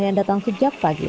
yang datang sejak pagi